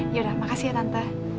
yaudah makasih ya tante